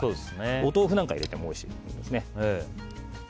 お豆腐なんか入れてもおいしいですね。